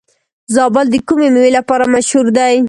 زابل د کومې میوې لپاره مشهور دی؟